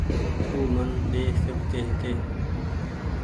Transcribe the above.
او من ڏي سڪتي هيتي